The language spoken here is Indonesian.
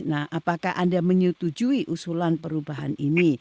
nah apakah anda menyetujui usulan perubahan ini